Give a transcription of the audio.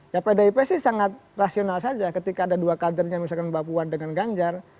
ya pdip sih sangat rasional saja ketika ada dua kadernya misalkan mbak puan dengan ganjar